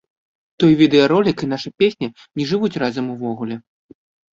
Той відэаролік і наша песня не жывуць разам увогуле.